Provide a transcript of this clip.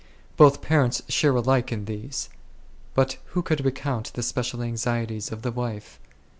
Both parents share alike in these ; but who could recount the special anxieties of the wife